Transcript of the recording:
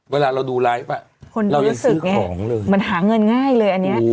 เวลาเราดูไลฟ์อ่ะคนเรียนซื้อของเลยมันหาเงินง่ายเลยอันเนี้ย